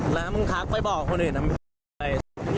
แล้วคุณพักมาบอกคนอื่นเกี่ยวกัน